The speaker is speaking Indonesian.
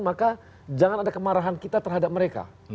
maka jangan ada kemarahan kita terhadap mereka